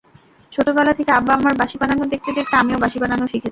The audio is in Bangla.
ছোটবেলা থেকে আব্বা-আম্মার বাঁশি বানানো দেখতে দেখতে আমিও বাঁশি বানানো শিখেছি।